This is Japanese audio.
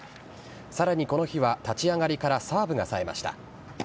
さらにこの日は立ち上がりからサーブがさえました。